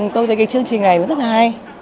tôi thấy cái chương trình này nó rất là hay